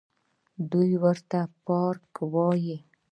دوى ورته پارک وايه.